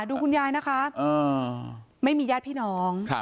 ดูคุณยายนะคะไม่มีญาติพี่น้อง